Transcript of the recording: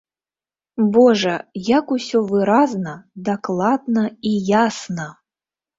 Божа, як усё выразна, дакладна і ясна!